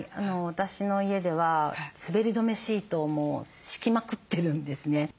私の家では滑り止めシートを敷きまくってるんですね。